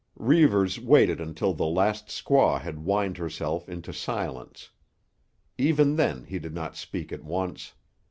Reivers waited until the last squaw had whined herself into silence. Even then he did not speak at once.